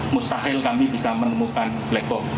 mustahil kami bisa menemukan black box